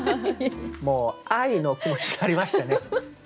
もう愛の気持ちになりましたね。